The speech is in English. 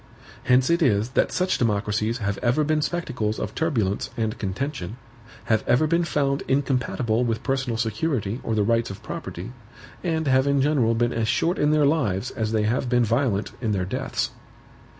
Hence it is that such democracies have ever been spectacles of turbulence and contention; have ever been found incompatible with personal security or the rights of property; and have in general been as short in their lives as they have been violent in their deaths.